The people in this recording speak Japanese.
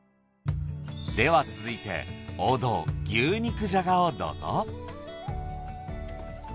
では続いて王道牛肉じゃがをどうぞ。